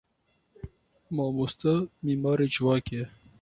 Mamoste mîmarê civakê ye.